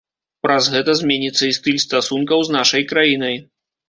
Праз гэта зменіцца і стыль стасункаў з нашай краінай.